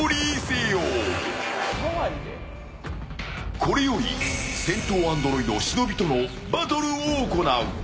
これより戦闘アンドロイド忍とのバトルを行う。